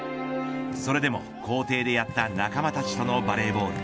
それでも校庭でやった仲間たちとのバレーボール。